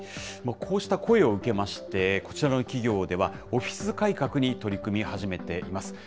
こうした声を受けまして、こちらの企業では、オフィス改革に取り組み始めています。